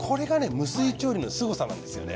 無水調理のすごさなんですよね。